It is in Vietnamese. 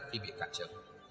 khi bị cản trở